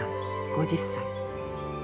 ５０歳。